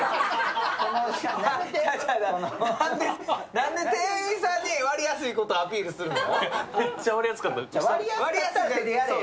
なんで店員さんに割りやすいことアピールするの？